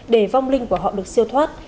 để vong linh của họ được siêu thoát